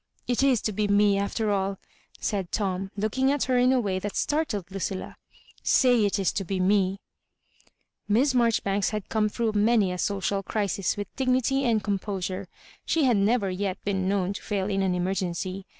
*' It is to be me after all," said Tom, looking at her in a way that startled Lucilla. *' Say it is to be me ! Miss Marjoribanks had come through many a social crisis with dignity and composura She had never yet been known to fail in an emer gency.